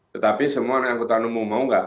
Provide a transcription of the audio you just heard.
tetapi semua naik kota numu mau nggak